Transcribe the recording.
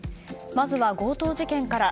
まずは強盗事件から。